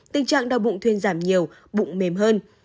tình trạng đau bụng thuyên giảm nhiều bụng mềm hơn